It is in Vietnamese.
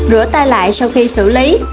rửa tay lại sau khi xử lý